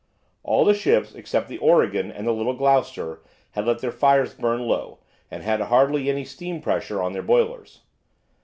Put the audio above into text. All the ships except the "Oregon" and the little "Gloucester" had let their fires burn low, and had hardly any steam pressure on their boilers.